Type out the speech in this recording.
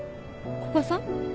古賀さん？